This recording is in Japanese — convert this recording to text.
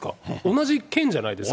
同じ県じゃないですか。